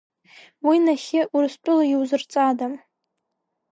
Уа нахьхьи Урыстәыла иузырҵада?!